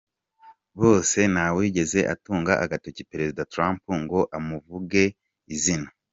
Bose nta wigeze atunga agatoki Perezida Trump ngo amuvuge mu izina.